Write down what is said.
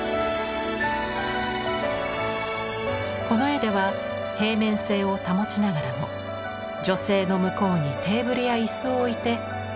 この絵では平面性を保ちながらも女性の向こうにテーブルや椅子を置いて奥行きを出しています。